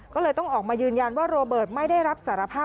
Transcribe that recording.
ก็เลยต้องออกมายืนยันว่าโรเบิร์ตไม่ได้รับสารภาพ